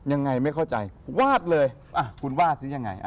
ยังไงไม่เข้าใจวาดเลยคุณวาดซิยังไง